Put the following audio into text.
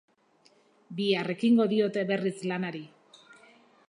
Bihar ekingo diote berriz lanari.